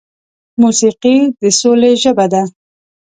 موسیقي د سولې ژبه ده.